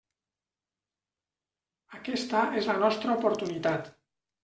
Aquesta és la nostra oportunitat.